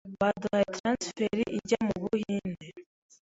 baduhaye transfert ijya mu buhinde,